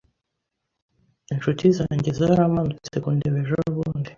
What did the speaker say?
Inshuti zanjye zaramanutse kundeba ejobundi.